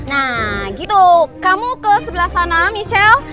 nah gitu kamu ke sebelah sana michelle